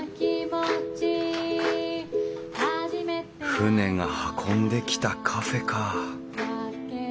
船が運んできたカフェか。